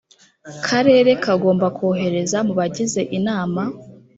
karere kagomba kohereza mu bagize inama